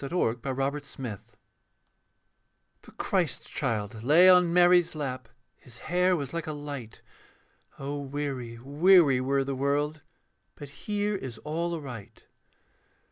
A CHRISTMAS CAROL The Christ child lay on Mary's lap, His hair was like a light. (O weary, weary were the world, But here is all aright.)